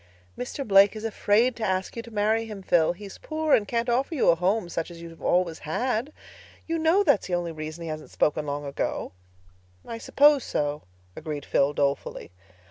"Mr. Blake is afraid to ask you to marry him, Phil. He is poor and can't offer you a home such as you've always had. You know that is the only reason he hasn't spoken long ago." "I suppose so," agreed Phil dolefully.